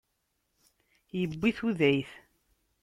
Yewwi tudayt.